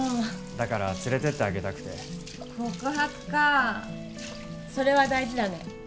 だから連れてってあげたくて告白かあそれは大事だね